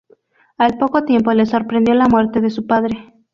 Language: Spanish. Al poco tiempo le sorprendió la muerte de su padre.